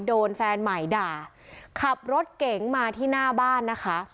โดนแฟนใหม่ด่าขับรถเก๋งมาที่หน้าบ้านนะคะ